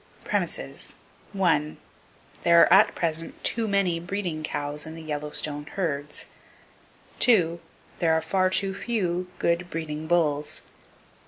Premises: —There are at present too many breeding cows in the Yellowstone herds. —There are far too few good breeding bulls.